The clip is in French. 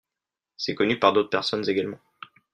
C'est connu par d'autres personnes également.